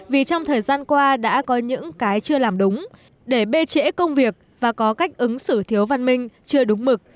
vì trong thời gian qua đã có những cái chưa làm đúng để bê trễ công việc và có cách ứng xử thiếu văn minh chưa đúng mực